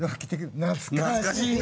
懐かしいね。